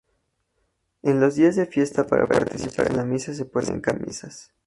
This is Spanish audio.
En los días de fiesta para participar en la misa se ponían camisas.